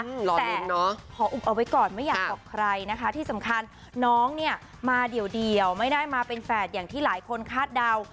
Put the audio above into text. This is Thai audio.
แต่ขออุบเอาไว้ก่อนไม่อยากบอกใครนะคะที่สำคัญน้องเนี่ยมาเดี่ยวไม่ได้มาเป็นแฝดอย่างที่หลายคนคาดเดา